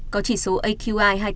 có chỉ số aqi hai trăm chín mươi sáu